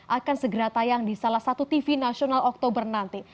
akan segera tayang di salah satu tv nasional oktober nanti